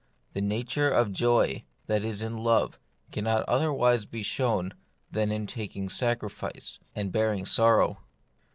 The nature of the joy that is in love cannot otherwise be shown than in taking sacrifice, and bearing sorrow.